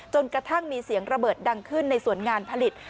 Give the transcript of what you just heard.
กระทั่งมีเสียงระเบิดดังขึ้นในสวนงานผลิต